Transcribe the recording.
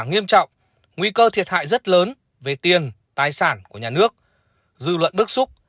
nghiêm trọng nguy cơ thiệt hại rất lớn về tiền tài sản của nhà nước dư luận bức xúc